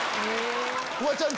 フワちゃん